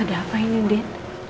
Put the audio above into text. ada apa ini din